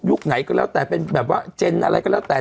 ไหนก็แล้วแต่เป็นแบบว่าเจนอะไรก็แล้วแต่